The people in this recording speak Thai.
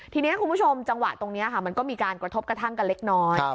ทีนี้คุณผู้ชมจังหวะตรงนี้ค่ะมันก็มีการกระทบกระทั่งกันเล็กน้อย